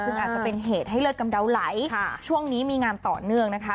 ซึ่งอาจจะเป็นเหตุให้เลือดกำเดาไหลช่วงนี้มีงานต่อเนื่องนะคะ